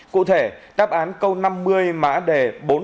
cụ thể đáp án câu năm mươi mã đề bốn trăm linh